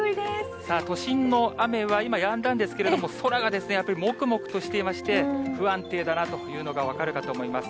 さあ、都心の雨は今、やんだんですけれども、空がやっぱりもくもくとしていまして、不安定だなというのが分かるかと思います。